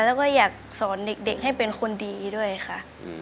แล้วก็อยากสอนเด็กให้เป็นคนดีด้วยค่ะ